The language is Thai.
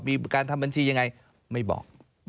มีการทำบัญชียังไงไม่บอก